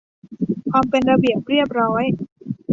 ความเป็นระเบียบเรียบร้อย